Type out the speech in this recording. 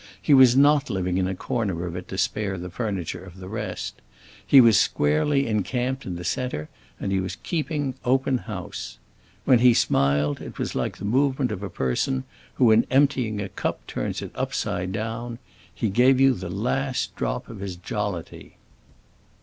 He was not living in a corner of it to spare the furniture of the rest. He was squarely encamped in the centre and he was keeping open house. When he smiled, it was like the movement of a person who in emptying a cup turns it upside down: he gave you the last drop of his jollity.